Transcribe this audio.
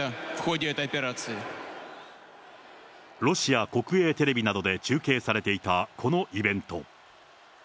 ロシア国営テレビなどで中継されていたこのイベント。